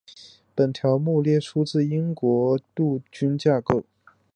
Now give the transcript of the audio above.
本条目列出目前的英国陆军架构。